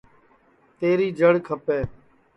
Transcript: تیری جڑ کھپئے